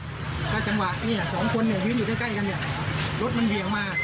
ก็จังหวัดเนี่ย๒คนยืนอยู่ใกล้กันเนี่ย